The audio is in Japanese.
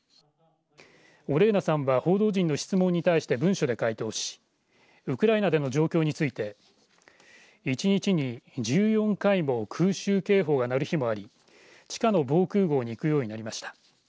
オレーナさんは報道陣の質問に対して文書で回答しウクライナでの状況について一日に１４回も空襲警報が鳴る日もあり地下の防空ごうに行くようになりました。